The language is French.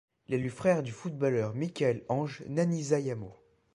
Il est le frère du footballeur Mickaël Ange Nanizayamo.